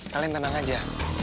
kalian tenang aja